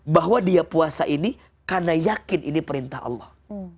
bahwa dia puasa ini karena yakin ini perintah allah